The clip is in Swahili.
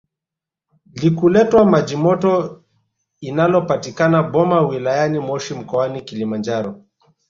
likuletwa majimoto inalopatikana boma wilayani moshi mkoani Kilimanjaro